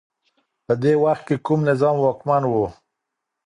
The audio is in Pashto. په دې وخت کي کوم نظام واکمن و؟